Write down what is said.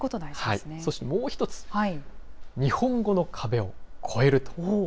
そしてもう一つ、日本語の壁を越えると。